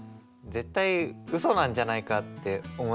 絶対うそなんじゃないかって思っちゃいます。